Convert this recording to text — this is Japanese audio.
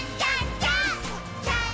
ジャンプ！！